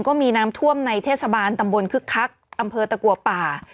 ก็มีน้ำท่วมในเทศบาลตำบลคึกคักอำเภอตะกัวป่า